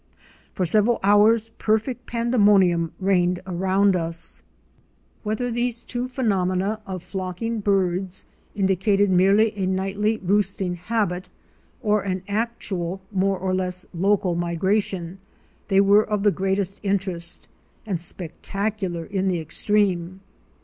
For several hours perfect pandemonium reigned around us. 158 OUR SEARCH FOR A WILDERNESS. Whether these two phenomena of flocking birds indicated merely a nightly roosting habit or an actual, more or less local migration, they were of the greatest interest, and spectacular in the extreme.